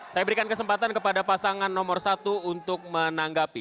saya berikan kesempatan kepada pasangan nomor satu untuk menanggapi